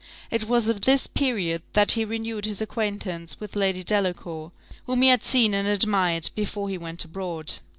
It was at this period that he renewed his acquaintance with Lady Delacour, whom he had seen and admired before he went abroad.